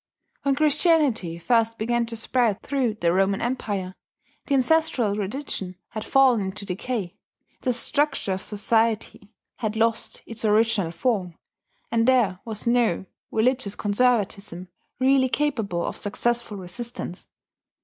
When Christianity first began to spread through the Roman empire, the ancestral religion had fallen into decay, the structure of society had lost its original form, and there was no religious conservatism really capable of successful resistance.